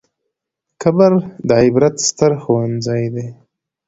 قبر د عبرت ستر ښوونځی دی.